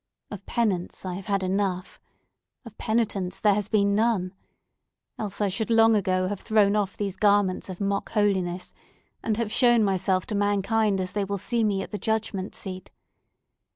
Of penance, I have had enough! Of penitence, there has been none! Else, I should long ago have thrown off these garments of mock holiness, and have shown myself to mankind as they will see me at the judgment seat.